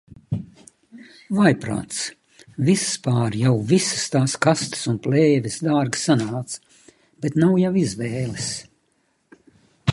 Vājprāts. Vispār jau visas tās kastes un plēves dārgi sanāca, bet nav jau izvēles.